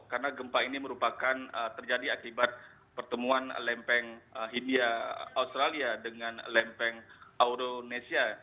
karena gempa ini merupakan terjadi akibat pertemuan lempeng india australia dengan lempeng auronesia